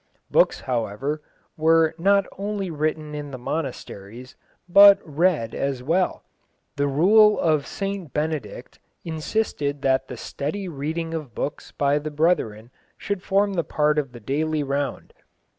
Books, however, were not only written in the monasteries, but read as well. The rule of St Benedict insisted that the steady reading of books by the brethren should form part of the daily round.